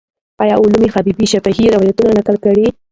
آیا علامه حبیبي شفاهي روایت نقل کړی؟